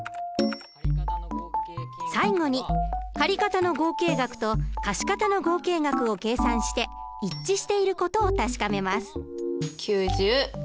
最後に借方の合計額と貸方の合計額を計算して一致している事を確かめます。